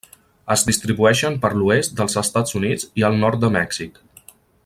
Es distribueixen per l'oest dels Estats Units i el nord de Mèxic.